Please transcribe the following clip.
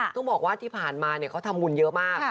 ต้องบอกว่าที่ผ่านมาเขาทำบุญเยอะมาก